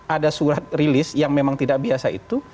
ada surat rilis yang memang tidak biasa itu